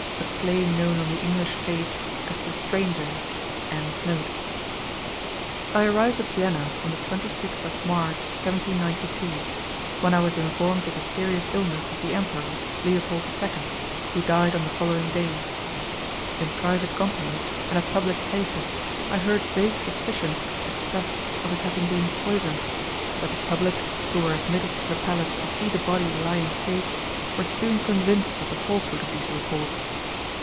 [A play known on the English stage as The Stranger.] I arrived at Vienna on the 26th of March 1792, when I was informed of the serious illness of the Emperor, Leopold II, who died on the following day. In private companies, and at public places, I heard vague suspicions expressed of his having been poisoned; but the public, who were admitted to the palace to see the body lie in state, were soon convinced of the falsehood of these reports.